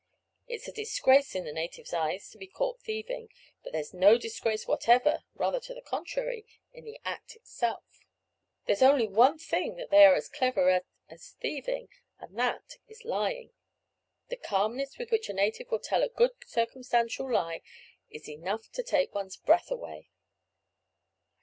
It's a disgrace in a native's eyes to be caught thieving; but there's no disgrace whatever, rather the contrary, in the act itself. There's only one thing that they are as clever at as thieving, and that is lying. The calmness with which a native will tell a good circumstantial lie is enough to take one's breath away."